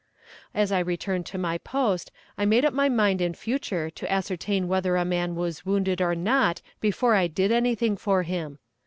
As I returned to my post I made up my mind in future to ascertain whether a man was wounded or not before I did anything for him.